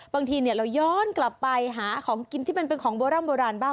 บางทีเราย้อนกลับไปหาของกินที่มันเป็นของโบร่ำโบราณบ้าง